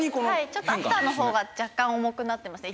ちょっとアフターの方が若干重くなってますね。